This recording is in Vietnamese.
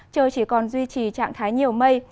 trời chỉ còn duy trì trạng thái nhiều mây